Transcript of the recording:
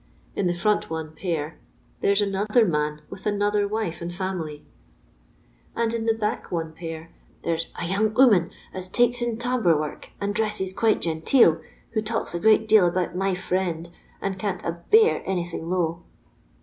In the front one pair there 's another man with another wife and fiunily, and in the back one pair there 's ' a young 'oman as takes in tambour work, and dresses quite genteel,' who talks a good deal about ' my friend,' and can't ' abear anything low.'